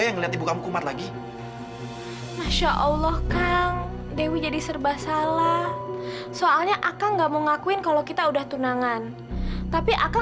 gak usah disuapin tante